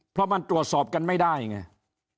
เพราะมันตรวจสอบกันไม่ได้ไง